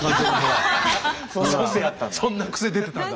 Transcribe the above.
そんな癖あったんだ。